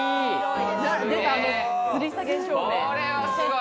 これはすごい！